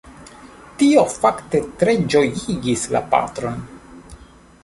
Tio fakte tre ĝojigis la patron.